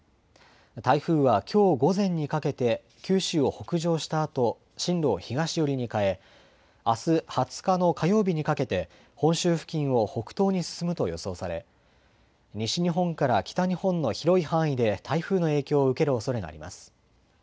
台風はきょう午前にかけて九州を北上したあと、進路を東寄りに変え、あす２０日の火曜日にかけて本州付近を北東に進むと予想され、西日本から北日本の広い範囲で台風の影響を受けるおそれがあります。